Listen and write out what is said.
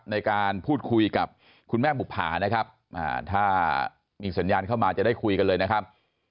ในการพูดคุยกับคุณแม่บุภานะครับถ้ามีสัญญาณเข้ามาจะได้คุยกันเลยนะครับ